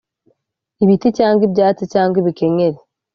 ibiti, cyangwa ibyatsi, cyangwa ibikenyeri,